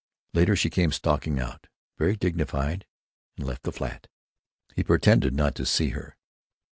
Later she came stalking out, very dignified, and left the flat. He pretended not to see her.